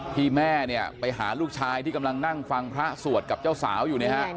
แม่เนี่ยไปหาลูกชายที่กำลังนั่งฟังพระสวดกับเจ้าสาวอยู่เนี่ยฮะ